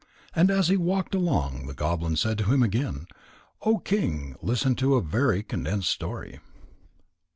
And as he walked along, the goblin said to him again: "O King, listen to a very condensed story."